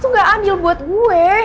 itu gak adil buat gue